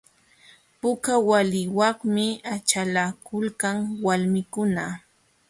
Puka waliwanmi achalakulkan walmikuna.